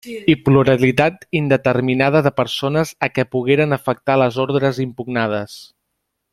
I pluralitat indeterminada de persones a què pogueren afectar les ordres impugnades.